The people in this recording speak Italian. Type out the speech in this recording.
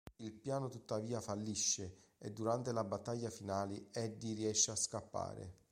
Il piano tuttavia fallisce e durante la battaglia finale Eddie riesce a scappare.